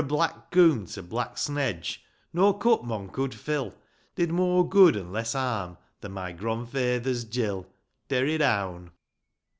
147 Fro' Black Coombe to Blacks'nedge, No cup mon could fill, Did moore good an' less harm Than my gronfaither's gill. Derry down.